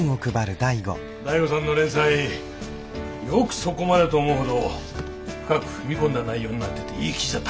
醍醐さんの連載よくそこまでと思うほど深く踏み込んだ内容になってていい記事だった。